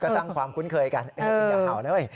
สร้างความคุ้นเคยกันอย่าเห่าเลย